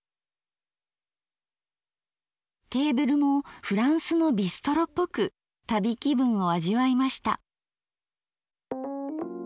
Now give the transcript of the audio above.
テーブルもフランスのビストロっぽく旅気分を味わいました。